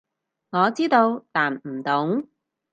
我知道，但唔懂